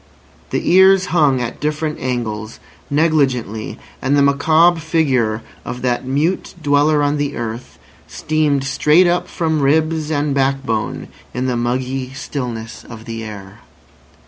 The ears hung at different angles, negligently; and the macabre figure of that mute dweller on the earth steamed straight up from ribs and backbone in the muggy stillness of the air.